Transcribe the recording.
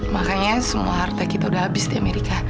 makanya semua harta kita udah habis di amerika